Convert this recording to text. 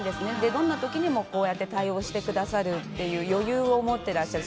どんなときにもこうやって対応してくださるっていう余裕を持ってらっしゃる。